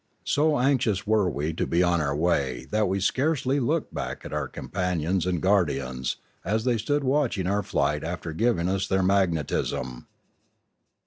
So anxious were we to be on our way that we scarcely looked back at our companions and guard The Last Flight 697 ians, as they stood watching our flight after giving us of their magnetism.